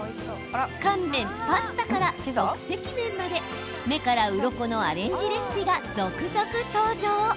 乾麺、パスタから即席麺まで目からうろこのアレンジレシピが続々、登場。